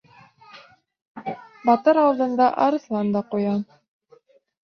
Батыр алдында арыҫлан да ҡуян.